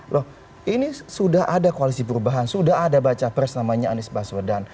loh ini sudah ada koalisi perubahan sudah ada baca pres namanya anies baswedan